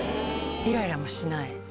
イライラもしない。